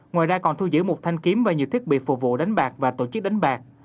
ngoài ra còn thu giữ một thanh kiếm và nhiều thiết bị phục vụ đánh bạc và tổ chức đánh bạc